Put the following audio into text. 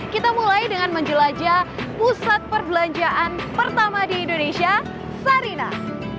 kita mulai dengan menjelajah pusat perbelanjaan pertama di indonesia sarinah